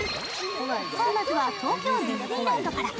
さあ、まずは東京ディズニーランドから。